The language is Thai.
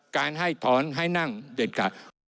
การให้ถอนให้นั่งเด็ดขาด